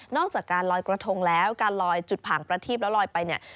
จากการลอยกระทงแล้วการลอยจุดผ่างประทีบแล้วลอยไปเนี่ย